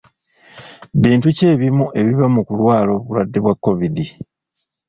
Bintu ki ebimu ebiva mu kulwala obulwadde bwa kovidi?